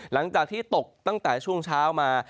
หลังจากที่ตกตั้งแต่ช่วงเช้ามา